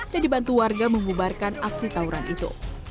dan dibantu warga mengubarkan aksi tauran itu